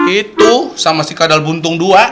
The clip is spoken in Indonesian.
itu sama si kadal buntung dua